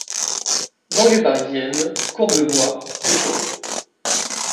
Banlieue parisienne : Courbevoie, Puteaux.